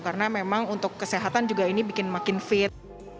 karena memang untuk kesehatan juga ini bikin makin fit